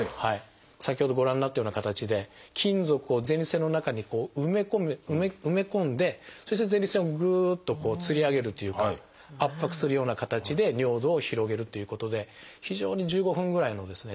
先ほどご覧になったような形で金属を前立腺の中に埋め込んでそして前立腺をぐっと吊り上げるというか圧迫するような形で尿道を広げるということで非常に１５分ぐらいのですね